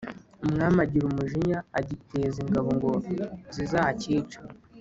Umwami agira umujinya, agiteza ingabo ngo zizacyice